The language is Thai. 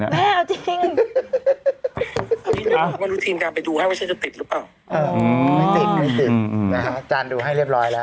ไม่ติดนะฮะอาจารย์ดูให้เรียบร้อยแล้ว